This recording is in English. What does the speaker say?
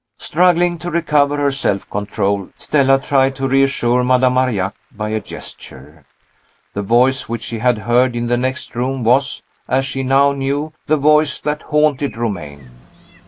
Struggling to recover her self control, Stella tried to reassure Madame Marillac by a gesture. The voice which she had heard in the next room was as she now knew the voice that haunted Romayne.